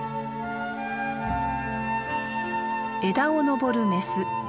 枝をのぼるメス。